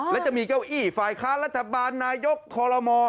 และจะมีเก้าอี้ฝ่ายค้านรัฐบาลนายกคอลโลม